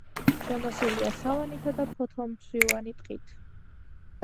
შემოსილია სავანითა და ფოთოლმცვივანი ტყით.